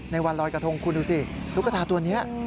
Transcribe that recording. วันลอยกระทงคุณดูสิตุ๊กตาตัวนี้